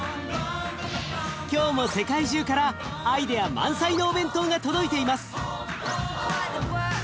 今日も世界中からアイデア満載のお弁当が届いています。